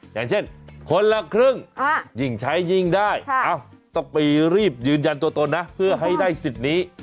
อย่างเช่นคนละครึ่งยิ่งใช้ยิ่งได้ต้องไปรีบยืนยันตัวตนนะเพื่อให้ได้สิทธิ์นี้